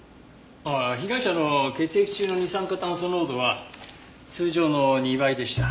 ああ被害者の血液中の二酸化炭素濃度は通常の２倍でした。